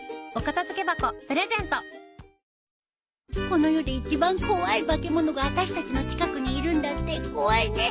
この世で一番怖い化け物があたしたちの近くにいるんだって怖いね。